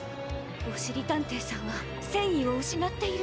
おしりたんていさんはせんいをうしなっている。